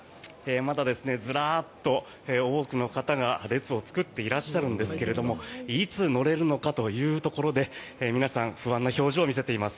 まだずらっと多くの方が列を作っていらっしゃるんですがいつ乗れるのかというところで皆さん、不安な表情を見せています。